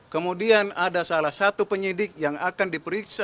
kemudian ada salah satu penyidik yang akan diperiksa